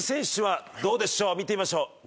見てみましょう。